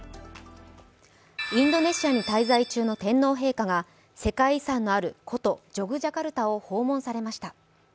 インドネシアに滞在中の天皇陛下が古都・ジョグジャカルタに到着されました。